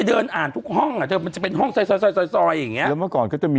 ฟังลูกครับ